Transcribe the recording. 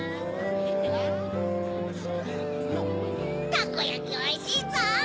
たこやきおいしいゾウ！